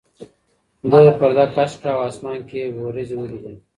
ده پرده کش کړه او اسمان کې یې وریځې ولیدې.